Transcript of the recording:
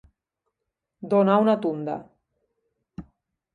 Donar una tunda.